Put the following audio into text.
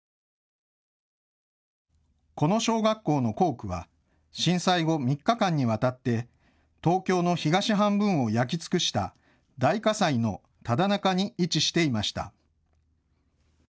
この小学校の校区は震災後３日間にわたって東京の東半分を焼き尽くした大火災のただ中に位置していました。